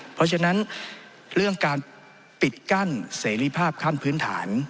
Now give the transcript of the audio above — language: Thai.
เพราะฉะนั้นเรื่องการปิดกั้นเสรีภาพขั้นพื้นฐาน